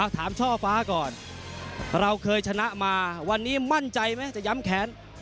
ช่อฟ้าก่อนเราเคยชนะมาวันนี้มั่นใจไหมจะย้ำแค้น